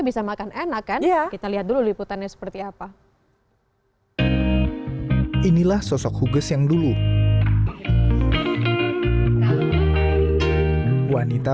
bisa makan enak kan kita lihat dulu liputannya seperti apa inilah sosok huges yang dulu wanita